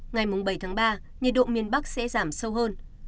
ngày bảy tháng ba nhiệt độ miền bắc sẽ giảm sâu hơn